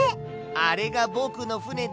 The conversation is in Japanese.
あれがぼくのふねだ。